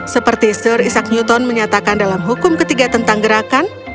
seperti sur isak newton menyatakan dalam hukum ketiga tentang gerakan